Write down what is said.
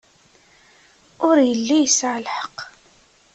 Ur yelli yesɛa lḥeqq.